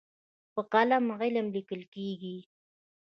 په قلم علم لیکل کېږي.